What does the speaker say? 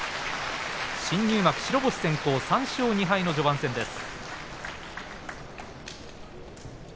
新入幕、白星先行３勝２敗の序盤戦です。